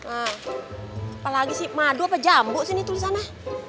apalagi sih madu apa jambu sini tulisannya